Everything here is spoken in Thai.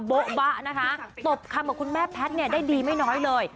โบ๊ะบะนะคะตบคำกับคุณแม่แพทย์เนี่ยได้ดีไม่น้อยเลย